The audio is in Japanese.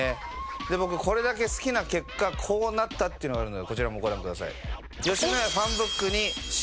で僕これだけ好きな結果こうなったっていうのがあるのでこちらもご覧ください。